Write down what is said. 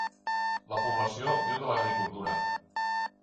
La població viu de l'agricultura.